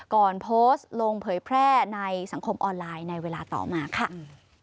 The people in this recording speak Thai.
ก่อนโพสต์ลงเผยแพร่ในสังคมออนไลน์ในเวลาต่อมาค่ะ